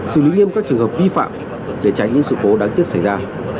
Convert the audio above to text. xử lý nghiêm các trường hợp vi phạm để tránh những sự cố đáng tiếc xảy ra